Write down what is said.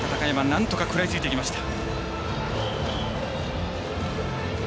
なんとか食らいついていきました。